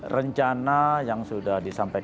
rencana yang sudah disampaikan